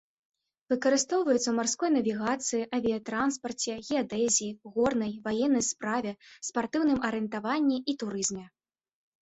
Выкарыстоўваецца ў марской навігацыі, авіятранспарце, геадэзіі, горнай, ваеннай справе, спартыўным арыентаванні і турызме.